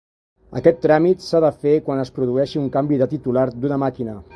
Aquest tràmit s'ha de fer quan es produeixi un canvi de titular d'una màquina.